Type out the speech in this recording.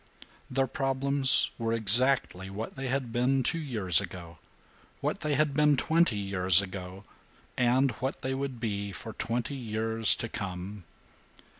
Their problems were exactly what they had been two years ago, what they had been twenty years ago, and what they would be for twenty years to come.